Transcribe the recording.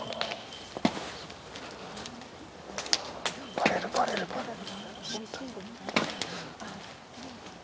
バレるバレるバレる。